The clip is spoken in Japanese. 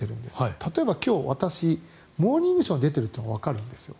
例えば、今日私、「モーニングショー」に出てるというのがわかるんですよ。